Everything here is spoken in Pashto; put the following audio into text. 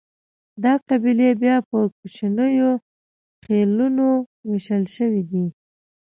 دا قبیلې بیا پر کوچنیو خېلونو وېشل شوې دي.